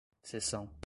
seção